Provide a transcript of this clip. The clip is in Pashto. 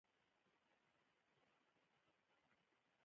آیا ټرافیکي ګڼه ګوڼه د وخت ضایع ده؟